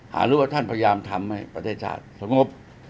รู้ว่าท่านพยายามทำให้ประเทศชาติสงบ